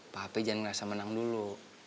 papi jangan rasa menang dulu